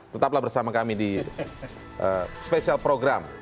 tetaplah bersama kami di spesial program